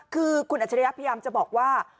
คือคุณอัจฉริยะพยายามจะบอกว่า